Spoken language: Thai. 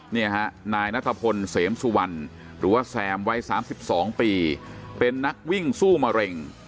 นี่ฮะนายนัทพลเสมสุวรรณหรือว่าแซมวัย๓๒ปีเป็นนักวิ่งสู้มะเร็ง